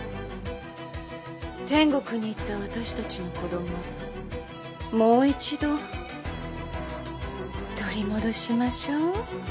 天国に行った私たちの子どももう一度取り戻しましょう。